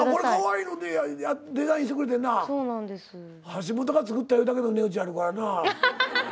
橋本が作ったいうだけの値打ちあるからな。